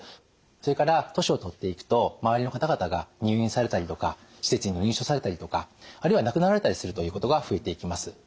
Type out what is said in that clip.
それから年を取っていくと周りの方々が入院されたりとか施設に入所されたりとかあるいは亡くなられたりするということが増えていきます。